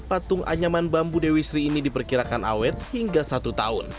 patung anyaman bambu dewi sri ini diperkirakan awet hingga satu tahun